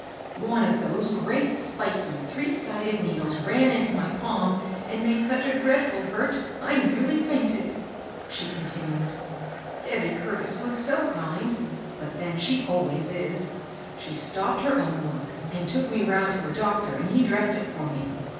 ^^ One of those great spikey, three sided needles ran into my palm and made such a dreadM hurt I nearly fiunted," she continued. Dehby Curtis was so kind! But then, she always is. She stopped her own work and took me round to a doctor, and he dressed it for me.